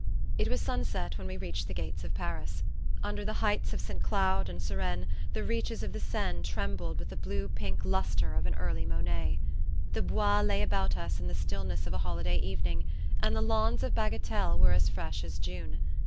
It was sunset when we reached the gates of Paris. Under the heights of St. Cloud and Suresnes the reaches of the Seine trembled with the blue pink lustre of an early Monet. The Bois lay about us in the stillness of a holiday evening, and the lawns of Bagatelle were as fresh as June.